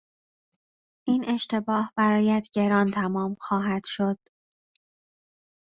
این اشتباه برایت گران تمام خواهد شد.